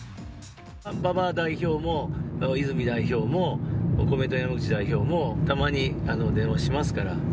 馬場代表も、泉代表も、公明党の山口代表もたまに電話しますから。